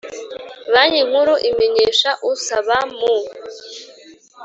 Banki Nkuru imenyesha usaba mu